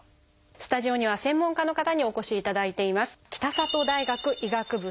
スタジオには専門家の方にお越しいただいています。